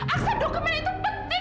aksan dokumen itu penting